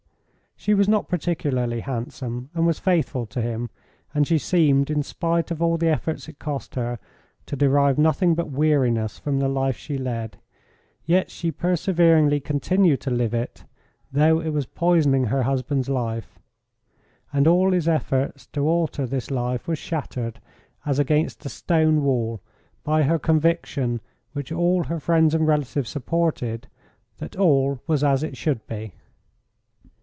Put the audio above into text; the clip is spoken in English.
She was not particularly handsome, and was faithful to him, and she seemed, in spite of all the efforts it cost her, to derive nothing but weariness from the life she led, yet she perseveringly continued to live it, though it was poisoning her husband's life. And all his efforts to alter this life was shattered, as against a stone wall, by her conviction, which all her friends and relatives supported, that all was as it should be.